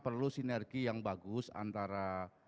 perlu sinergi yang bagus antara